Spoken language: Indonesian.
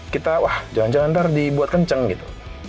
kita wah jangan jangan dar dibuat kenceng gitu